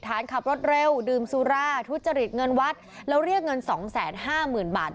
ท้านขับรถเร็วดื่มสุราโทษจริงเงินวัดแล้วเรียกเงินสองแสนห้ามึงบาท